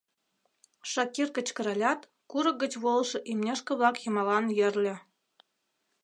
— Шакир кычкыралят, курык гыч волышо имнешке-влак йымалан йӧрльӧ.